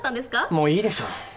もういいでしょ。